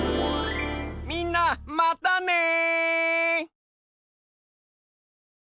みんなまたね！